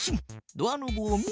ドアノブを見る。